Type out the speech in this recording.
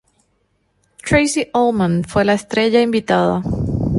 Tracey Ullman fue la estrella invitada.